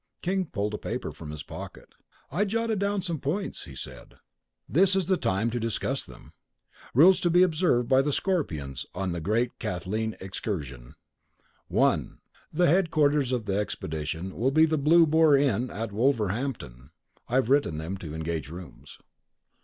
King pulled a paper from his pocket. "I jotted down some points," he said. "This is the time to discuss them." "Rules to be Observed by the Scorpions on the Great Kathleen Excursion "1. The headquarters of the expedition will be the Blue Boar Inn at Wolverhampton. (I've written to them to engage rooms.)